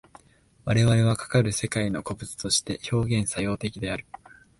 我々はかかる世界の個物として表現作用的である。